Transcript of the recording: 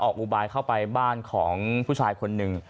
อุบายเข้าไปบ้านของผู้ชายคนหนึ่ง